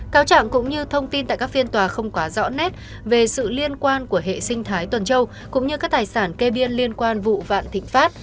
cáo trạng cũng như thông tin tại các phiên tòa không quá rõ nét về sự liên quan của hệ sinh thái tuần châu cũng như các tài sản kê biên liên quan vụ vạn thịnh pháp